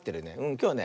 きょうはね